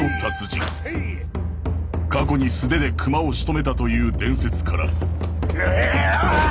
過去に素手で熊をしとめたという伝説からやぁ！